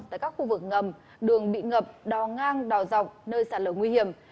tại các khu vực ngầm đường bị ngập đò ngang đò rộng nơi xả lở nguy hiểm